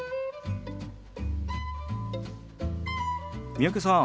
三宅さん